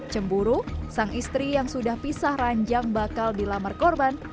cemburu sang istri yang sudah pisah ranjang bakal dilamar korban